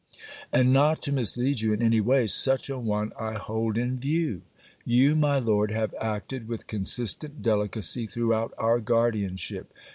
And, not to mislead you in any way, such a one I hold in view.' 'You, my Lord, have acted with consistent delicacy throughout our guardianship.